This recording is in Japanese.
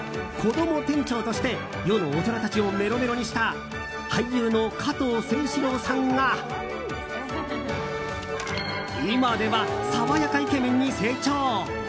こども店長として世の大人たちをメロメロにした俳優の加藤清史郎さんが今では爽やかイケメンに成長。